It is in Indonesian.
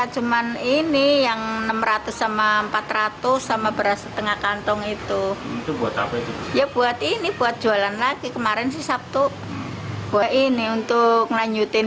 saini berkata dia tidak akan mencari uang untuk berjualan